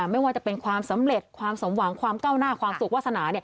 ไม่ว่าจะเป็นความสำเร็จความสมหวังความก้าวหน้าความสุขวาสนา